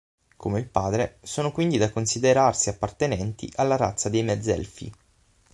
Come il padre, sono quindi da considerarsi appartenenti alla razza dei Mezzelfi.